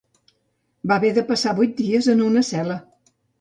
Va haver de passar vuit dies en una cel·la